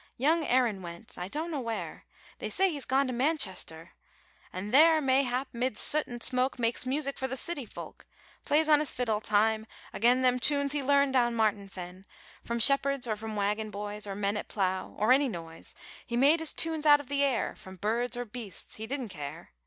Young Aaron went I dunno where They say he's gone to Manchester, An' there, mayhap, mid soot an' smoke, Makes music for the city folk; Plays on his fiddle, time, agen Them tunes he larned down Martin Fen From shepherds or from waggon boys Or men at plough, or any noise: He made his tunes out of the air, From birds or beasts he didn't care!